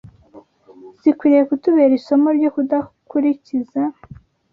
zikwiriye kutubera isomo ryo kudakurikiza